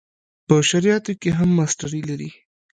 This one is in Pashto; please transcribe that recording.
په شرعیاتو کې هم ماسټري لري.